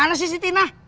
ah gimana sih sih tina